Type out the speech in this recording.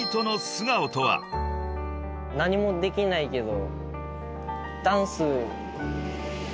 何もできないけど。